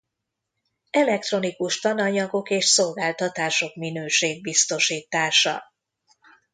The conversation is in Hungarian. Elektronikus tananyagok és szolgáltatások minőségbiztosítása.